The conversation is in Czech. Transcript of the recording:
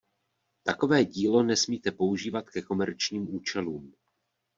Takové dílo nesmíte používat ke komerčním účelům.